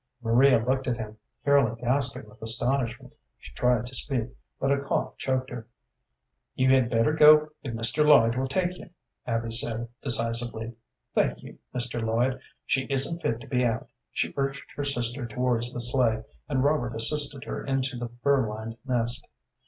Maria looked at him, fairly gasping with astonishment. She tried to speak, but a cough choked her. "You had better go if Mr. Lloyd will take you," Abby said, decisively. "Thank you, Mr. Lloyd; she isn't fit to be out." She urged her sister towards the sleigh, and Robert assisted her into the fur lined nest.